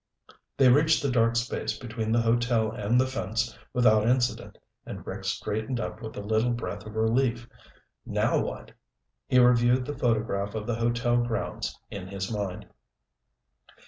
They reached the dark space between the hotel and the fence without incident and Rick straightened up with a little breath of relief. Now what? He reviewed the photograph of the hotel grounds in his mind.